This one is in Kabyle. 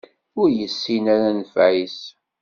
Ur yessin ara nnfeɛ-is.